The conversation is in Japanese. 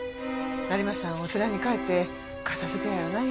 成増さんはお寺に帰って片付けやらなんやら。